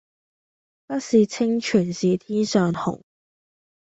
不是清泉是天上虹